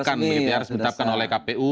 sudah ditetapkan oleh kpu